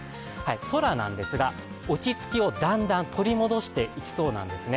空なんですが、落ち着きをだんだん取り戻していきそうなんですね。